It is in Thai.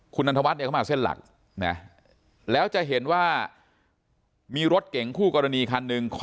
คุณนันทวัฒน์เนี่ยเข้ามาเส้นหลักนะแล้วจะเห็นว่ามีรถเก่งคู่กรณีคันหนึ่ง